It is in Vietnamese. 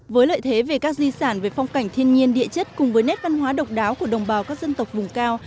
với lợi thế về các di sản về phong cảnh thiên nhiên địa chất cùng với nét văn hóa độc đáo của đồng bào các dân tộc vùng cao